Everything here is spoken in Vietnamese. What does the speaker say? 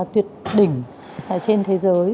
tuyệt đỉnh trên thế giới